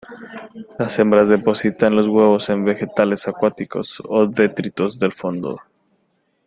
Las hembras depositan los huevos en vegetales acuáticos o detritos del fondo.